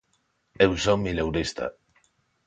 "Eu son mileurista".